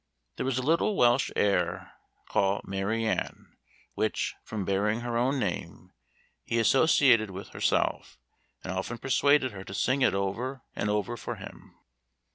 There was a little Welsh air, call "Mary Ann," which, from bearing her own name, he associated with herself, and often persuaded her to sing it over and over for him.